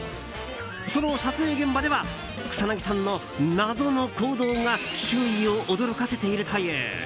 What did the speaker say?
その撮影現場では草なぎさんの謎の行動が周囲を驚かせているという。